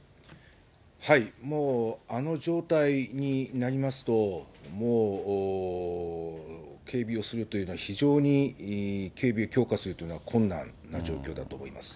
もうあの状態になりますと、もう警備をするというのは、非常に警備を強化するというのは困難な状況だと思います。